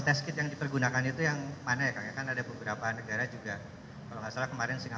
masih terguna kan itu yang mana ya kan ada beberapa negara juga desperate cheongsamma